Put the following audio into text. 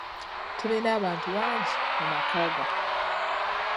Tulina abantu bangi mu maka gaffe